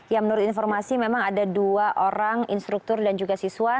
ya menurut informasi memang ada dua orang instruktur dan juga siswa